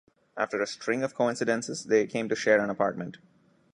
After a string of coincidences, they come to share an apartment.